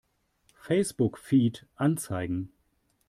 Facebook-Feed anzeigen!